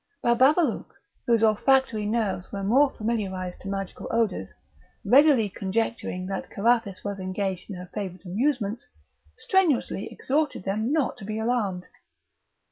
Bababalouk, whose olfactory nerves were more familiarised to magical odours, readily conjecturing that Carathis was engaged in her favourite amusements, strenuously exhorted them not to be alarmed.